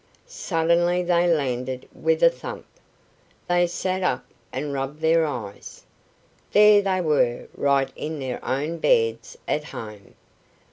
Suddenly they landed with a thump. They sat up and rubbed their eyes. There they were right in their own beds at home.